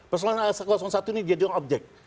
pasulun satu ini dijadikan objek